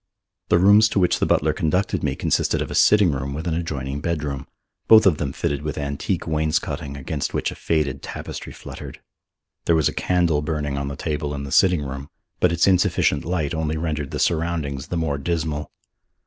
The rooms to which the butler conducted me consisted of a sitting room with an adjoining bedroom, both of them fitted with antique wainscoting against which a faded tapestry fluttered. There was a candle burning on the table in the sitting room, but its insufficient light only rendered the surroundings the more dismal.